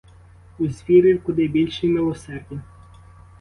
У звірів куди більше милосердя.